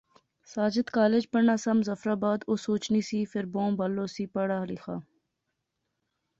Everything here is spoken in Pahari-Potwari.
ساجد کالج پڑھنا سا، مظفرآباد، او سوچنی سی، فیر بہوں بل ہوسی پڑھا لیغا